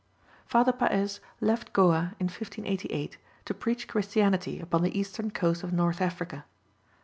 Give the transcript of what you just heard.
Father Paez left Goa in 1588 to preach Christianity upon the eastern coast of North Africa.